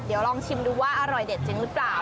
เดี๋ยวลองชิมดูว่าอร่อยเด็ดจริงหรือเปล่า